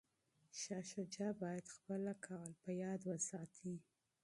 شاه شجاع باید خپله ژمنه په یاد وساتي.